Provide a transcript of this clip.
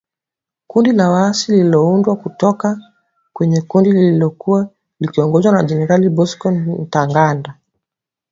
Kundi la waasi liliundwa kutoka kwenye kundi lililokuwa likiongozwa na Generali Bosco Ntaganda